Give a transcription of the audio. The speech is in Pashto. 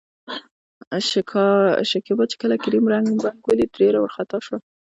شکيبا چې کله کريم ړنګ، بنګ ولېد ډېره ورخطا شوه.